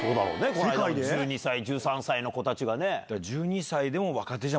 こないだも１２歳１３歳の子たちがね。